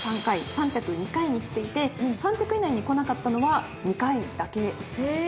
３着２回にきていて３着以内にこなかったのは２回だけです。